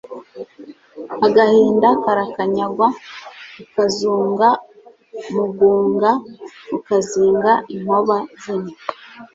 agahinda karakanyagwa, ukazunga mugunga, ukazinga inkoba z'innyo